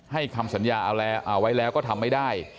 คำสัญญาเอาไว้แล้วก็ทำไม่ได้